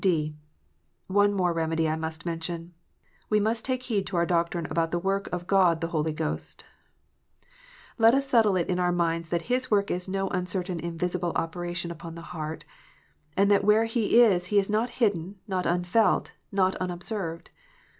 (d) One more remedy I must mention. We must take heed to our doctrine about the work of God the Holy Ghost. Let us settle it in our minds that His work is no uncertain invisible operation upon the heart : and that where He is, He is not hidden, not unfelt, not unobserved.